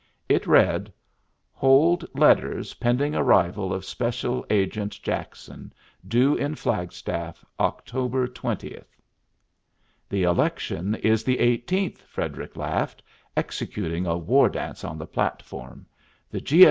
It read, "Hold letters pending arrival of special agent Jackson, due in Flagstaff October twentieth." "The election is the eighteenth," Frederic laughed, executing a war dance on the platform. "The G. S.'